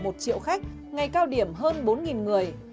một triệu khách ngày cao điểm hơn bốn người